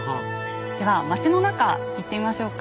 では町の中行ってみましょうか。